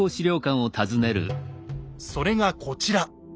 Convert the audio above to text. それがこちら。